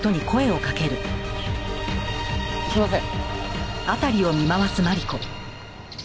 すみません。